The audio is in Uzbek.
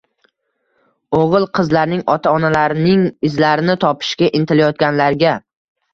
o‘g‘il-qizlarining, ota-onalarining izlarini topishga intilayotganlarga